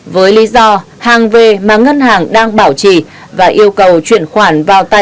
với lý do hàng v mà ngân hàng đang bảo trì và yêu cầu chuyển khoản